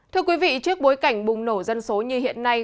thưa quý vị trước bối cảnh bùng nổ dân số như hiện nay